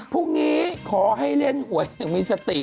พรุ่งนี้ขอให้เล่นหวยอย่างมีสติ